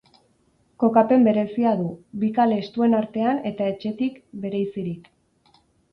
Kokapen berezia du: bi kale estuen artean eta etxetik bereizirik.